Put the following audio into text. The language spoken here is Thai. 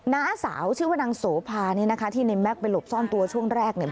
น้าสาวชื่อว่านางโสภาเนี่ยนะคะที่ในแก๊กไปหลบซ่อนตัวช่วงแรกเนี่ย